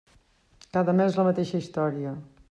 Cada mes, la mateixa història.